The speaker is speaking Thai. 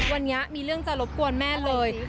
วันนี้มีเรื่องจะรบกวนแม่เลย